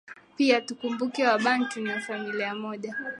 Pia tukumbuke Wabantu ni familia moja